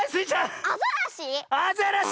アザラシ？